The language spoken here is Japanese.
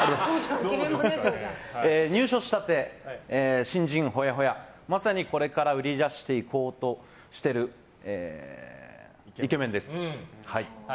入所したて、新人ほやほやまさにこれから売り出していこうとしているイケメンです。